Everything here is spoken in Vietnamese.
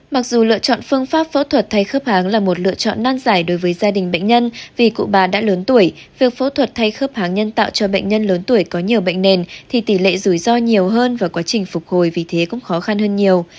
mặc dù lựa chọn phương pháp phẫu thuật thay khớp háng là một lựa chọn nan giải đối với gia đình bệnh nhân vì cụ bà đã lớn tuổi việc phẫu thuật thay khớp háng nhân tạo cho bệnh nhân lớn tuổi có nhiều bệnh nền thì tỷ lệ rủi ro nhiều hơn và quá trình phục hồi vì thế cũng khó khăn hơn nhiều